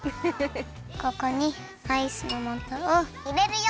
ここにアイスのもとをいれるよ。